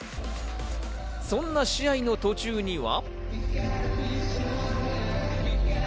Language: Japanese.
そんな試合の途中には。